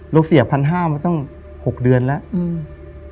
เราเสียพันห้ามาตั้ง๖เดือนแล้วอืม